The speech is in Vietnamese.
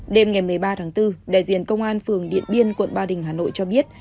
đêm ngày một mươi ba tháng bốn đại diện công an phường điện biên quận ba đình hà nội cho biết